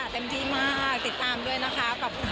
เต็มที่มากติดตามด้วยนะคะ